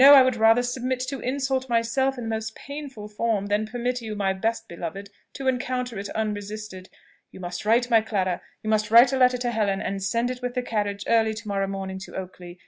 I would rather submit to insult myself in the most painful form, than permit you, my best beloved, to encounter it unresisted. You must write, my Clara you must write a letter to Helen, and send it with the carriage early to morrow morning to Oakley.